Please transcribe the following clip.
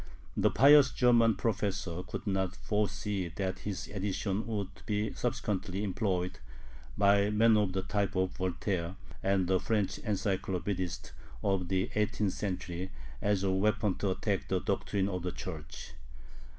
The pious German professor could not foresee that his edition would he subsequently employed by men of the type of Voltaire and the French encyclopedists of the eighteenth century as a weapon to attack the doctrine of the Church.